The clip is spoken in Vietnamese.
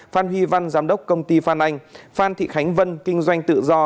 phan huy văn giám đốc công ty phan anh phan thị khánh vân kinh doanh tự do